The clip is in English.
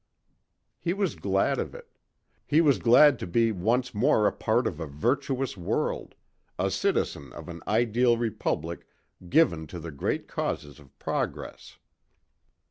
He was glad of it. He was glad to be once more a part of a virtuous world, a citizen of an ideal republic given to the great causes of progress.